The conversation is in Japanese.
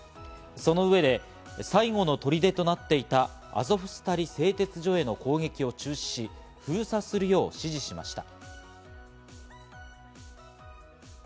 その上で最後の砦となっていたアゾフスタリ製鉄所への攻撃を中止し、封鎖するよう指示しました。